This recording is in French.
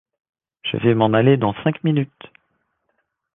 Je vais m'en aller dans cinq minutes.